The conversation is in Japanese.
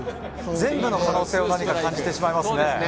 全部の可能性を感じてしまいますね。